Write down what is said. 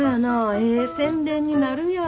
ええ宣伝になるやん。